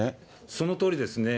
そのとおりですね。